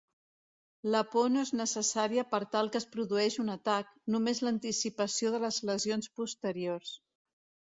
La por no és necessària per tal que es produeixi un atac, només l"anticipació de les lesions posteriors.